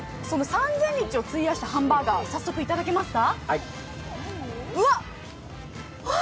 ３０００日を費やしたハンバーガー、早速いただけますか？